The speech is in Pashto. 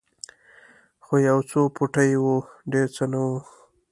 خو یو څو پوټي وو ډېر څه نه وو.